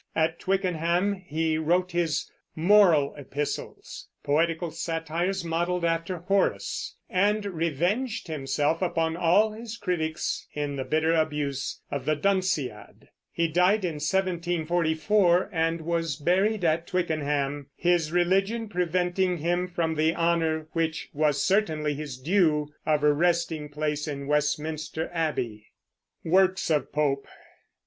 At Twickenham he wrote his Moral Epistles (poetical satires modeled after Horace) and revenged himself upon all his critics in the bitter abuse of the Dunciad. He died in 1744 and was buried at Twickenham, his religion preventing him from the honor, which was certainly his due, of a resting place in Westminster Abbey. WORKS OF POPE.